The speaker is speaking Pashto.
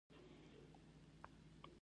حقيقت ته يې رسېږي.